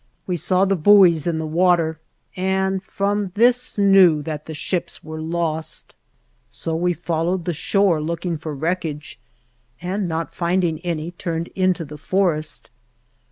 We saw the buoys in the water, and from this knew that the ships were lost. So we followed the shore, looking for wreck age, and not finding any turned into the for est.